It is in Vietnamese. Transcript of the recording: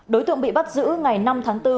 đối tượng bị bắt giữ ngày năm tháng bốn